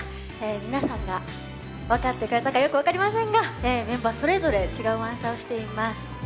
皆さん、分かってくれた分かりませんがメンバーそれぞれ違うファンサをしています。